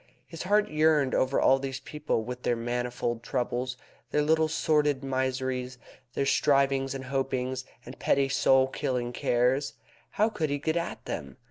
His heart yearned over all these people with their manifold troubles, their little sordid miseries, their strivings and hopings and petty soul killing cares. How could he get at them?